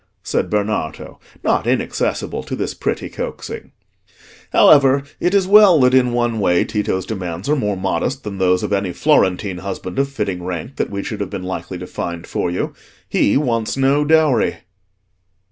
said Bernardo, not inaccessible to this pretty coaxing. "However, it is well that in one way Tito's demands are more modest than those of any Florentine husband of fitting rank that we should have been likely to find for you; he wants no dowry."